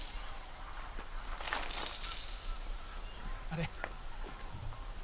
あれ？